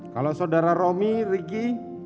kalau saudara romi riki